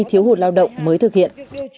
thiếu hụt lao động mới thực hiện